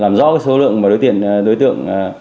làm rõ số lượng đối tượng